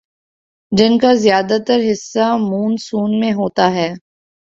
جن کا زیادہ تر حصہ مون سون میں ہوتا ہے